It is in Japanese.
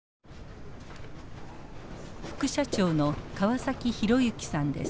副社長の川崎浩之さんです。